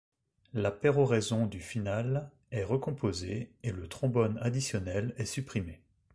La péroraison du Finale est recomposée et le trombone additionnel est supprimé.